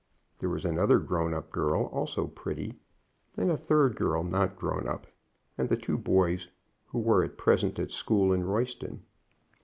There was another grown up girl, also pretty, and then a third girl not grown up and the two boys who were at present at school at Royston.